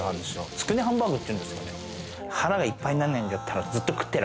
つくねハンバーグって言うんですよね。